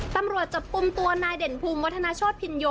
ตำรวจจับกลุ่มตัวนายเด่นภูมิวัฒนาโชธพินโย